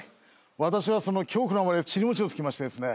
私はその恐怖のあまり尻もちをつきましてですね